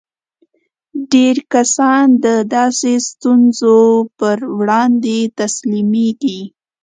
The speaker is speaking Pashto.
ډېر کسان د داسې ستونزو پر وړاندې تسليمېږي.